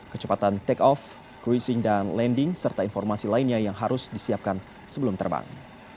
kecepatan take off croising dan landing serta informasi lainnya yang harus disiapkan sebelum terbang